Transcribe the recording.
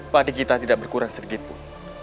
padi kita tidak berkurang sedikit pun